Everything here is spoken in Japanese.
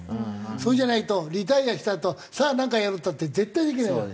それじゃないとリタイアしたあとさあなんかやろうったって絶対できないから。